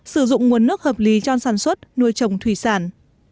sử dụng nguồn nước hợp lý cho sản xuất nuôi trồng thủy sản